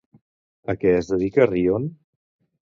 A què es dedica Rion?